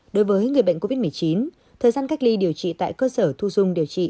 đối với người bệnh covid một mươi chín thời gian cách ly điều trị tại cơ sở thu dung điều trị